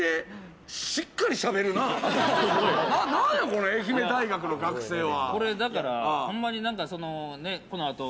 何やこれ、愛媛大学の学生は。